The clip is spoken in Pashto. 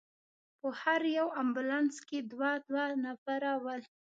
په هر یو امبولانس کې دوه دوه نفره ول.